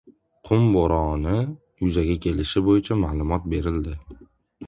Qum bo‘roni yuzaga kelishi bo‘yicha ma’lumot berildi